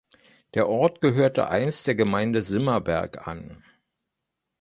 Der Ort gehörte einst der Gemeinde Simmerberg an.